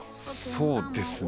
そうですね。